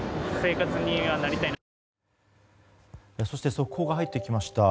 速報が入ってきました。